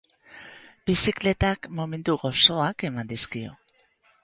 Bizikletak momentu gozoak eman dizkio.